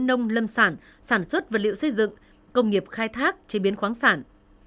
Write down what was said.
nông lâm sản sản xuất vật liệu xây dựng công nghiệp khai thác chế biến khoáng sản